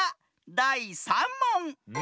だい３もん！